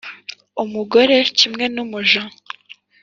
umugore kimwe n’umuja,